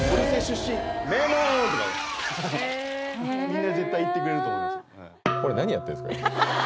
みんな絶対言ってくれると思います